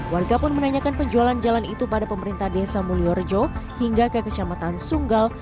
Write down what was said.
warga pun menanyakan penjualan jalan itu pada pemerintah desa mulyorejo hingga ke kecamatan sunggal